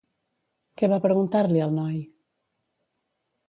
Què va preguntar-li el noi?